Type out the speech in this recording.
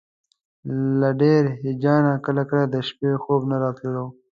له ډېر هیجانه کله کله د شپې خوب نه راتللو.